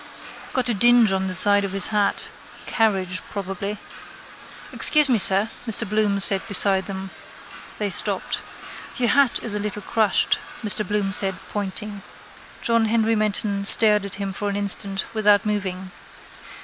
Got a dinge in the side of his hat. Carriage probably. —Excuse me, sir, Mr Bloom said beside them. They stopped. —Your hat is a little crushed, Mr Bloom said pointing. John Henry Menton stared at him for an instant without moving.